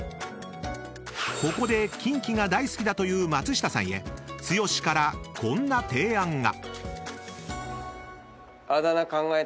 ［ここでキンキが大好きだという松下さんへ剛からこんな提案が］